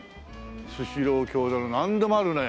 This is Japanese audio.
「スシロー京樽」なんでもあるね。